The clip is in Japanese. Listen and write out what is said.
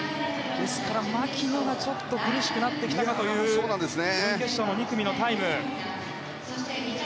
ですから、牧野が苦しくなってきたかという準決勝の２組のタイム。